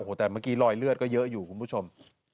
แต่เมื่อกี้รอยเลือดก็เยอะอยู่คุณผู้ชม